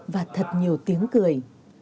và thật nhiều tiếng cười